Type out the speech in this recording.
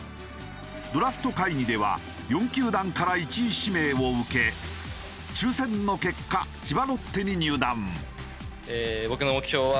ドラフト会議では４球団から１位指名を受け抽選の結果千葉ロッテに入団。